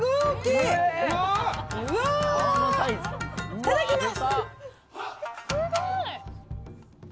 いただきます。